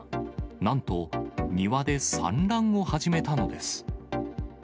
なんと、庭で産卵を始めたのです。